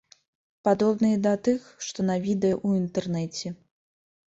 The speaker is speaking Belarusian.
Падобныя да тых, што на відэа ў інтэрнэце.